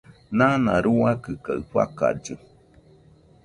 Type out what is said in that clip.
Nana ruakɨ kaɨ fakallɨ